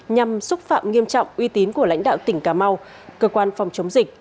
nhằm xúc phạm nghiêm trọng uy tín của lãnh đạo tỉnh cà mau cơ quan phòng chống dịch